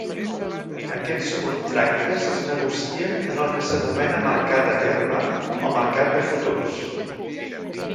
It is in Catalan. Aquests contractes es negocien en el que s'anomena mercat a terme o mercat de futurs.